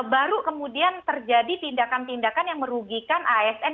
baru kemudian terjadi tindakan tindakan yang merugikan asn